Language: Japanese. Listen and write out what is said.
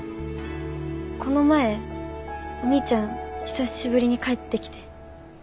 この前お兄ちゃん久しぶりに帰ってきて。